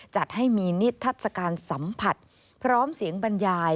จัดให้มีนิทัศกาลสัมผัสพร้อมเสียงบรรยาย